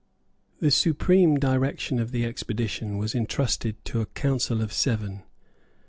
The supreme direction of the expedition was entrusted to a Council of Seven.